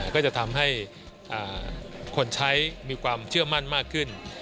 ก็จะทำให้คนใช้มีความเชื่อมั่นมากขึ้น